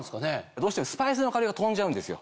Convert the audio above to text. どうしてもスパイスの香りが飛んじゃうんですよ。